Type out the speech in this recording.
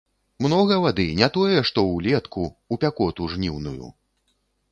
Многа вады, не тое, што ўлетку, у пякоту жніўную.